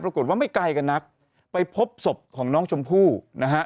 ปรากฏว่าไม่ไกลกันนักไปพบศพของน้องชมพู่นะฮะ